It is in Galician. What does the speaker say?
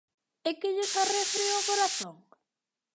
E que lles arrefría o corazón?